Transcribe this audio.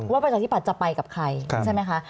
ประชาธิบัตย์จะไปกับใครใช่ไหมคะ